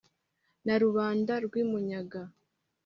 Na Rubanda rw' i Munyaga